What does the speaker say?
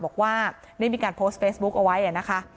บอกว่าได้มีการโพสต์เฟซบุ๊คเอาไว้นะคะ